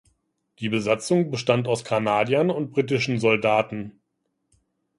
Die Besatzung bestand aus Kanadiern und britischen Soldaten.